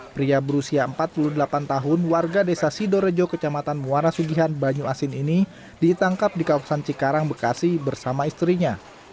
pria berusia empat puluh delapan tahun warga desa sidorejo kecamatan muara sugihan banyu asin ini ditangkap di kawasan cikarang bekasi bersama istrinya